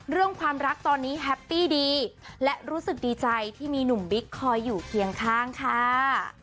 เรื่องความรักตอนนี้แฮปปี้ดีและรู้สึกดีใจที่มีหนุ่มบิ๊กคอยอยู่เคียงข้างค่ะ